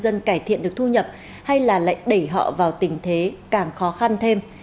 dần cải thiện được thu nhập hay là lại đẩy họ vào tình thế càng khó khăn thêm